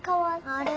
あれ？